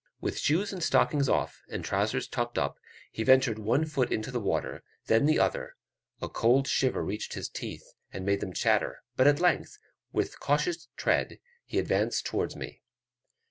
With shoes and stockings off, and trousers tucked up, he ventured one foot into the water, then the other; a cold shiver reached his teeth, and made them chatter; but, at length, with cautious tread he advanced towards me.